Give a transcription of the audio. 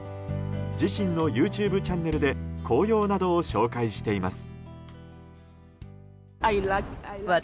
自身のＹｏｕＴｕｂｅチャンネルで紅葉などを紹介しています。